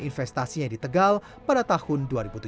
investasinya di tegal pada tahun dua ribu tujuh belas